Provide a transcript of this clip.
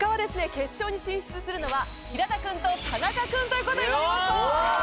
決勝に進出するのは平田君と田仲君という事になりました。